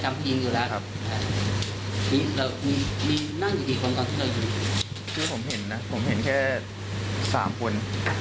คือผมเห็นนะผมเห็นแค่๓คน